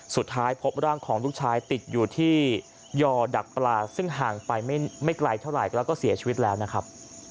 สุดท้ายพบร่างของลูกชายติดอยู่ที่ยอดักปลาซึ่งห่างไปไม่ไกลเท่าไหร่แล้วก็เสียชีวิตแล้วนะครับ